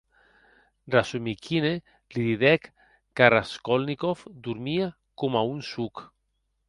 Rasumikhine li didec que Raskolnikov dormie coma un soc.